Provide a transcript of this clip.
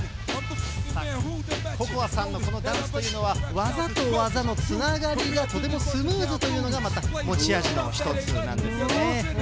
Ｃｏｃｏａさんのこのダンスというのは、技と技のつながりがとてもスムーズというのが、また持ち味の一つなんですよね。